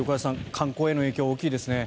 観光への影響が大きいですね。